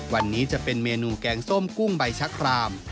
วันนี้จะเป็นเมนูแกงส้มกุ้งใบชะคราม